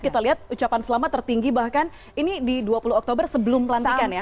kita lihat ucapan selamat tertinggi bahkan ini di dua puluh oktober sebelum pelantikan ya